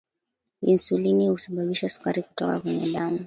insulini husababisha sukari kutoka kwenye damu